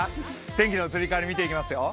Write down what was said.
天気の移り変わり見ていきますよ。